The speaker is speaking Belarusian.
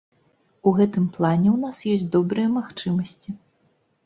У гэтым плане ў нас ёсць добрыя магчымасці.